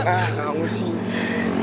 enggak mau sih